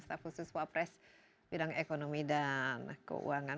staf khusus wapres bidang ekonomi dan keuangan